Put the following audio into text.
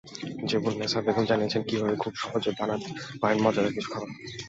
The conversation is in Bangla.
জেবুন্নেসা বেগম জানিয়েছেন কীভাবে খুব সহজে বানাতে পারেন মজাদার কিছু খাবার।